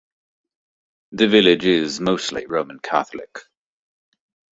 The village is mostly Roman Catholic.